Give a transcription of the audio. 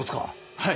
はい！